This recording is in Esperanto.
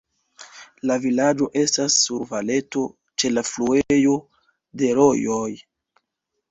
La vilaĝo estas sur valeto, ĉe la fluejo de rojoj.